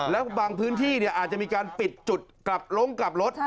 แล้วบางพื้นที่อาจจะมีการปิดจุดกลับลงกลับรถ